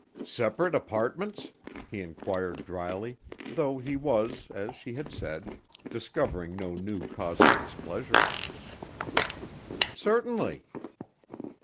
"Separate apartments?" he inquired dryly, though he was, as she had said, discovering no new cause of displeasure. "Certainly."